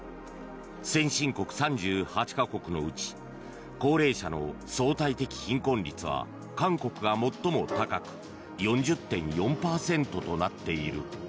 先進国３８か国のうち高齢者の相対的貧困率は韓国が最も高く４０．４％となっている。